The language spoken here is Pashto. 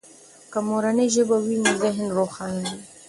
که مورنۍ ژبه وي نو ذهن روښانه وي.